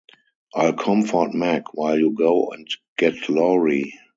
I'll comfort Meg while you go and get Laurie.